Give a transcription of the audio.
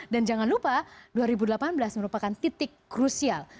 dan jangan lupa dua ribu delapan belas merupakan titik krusial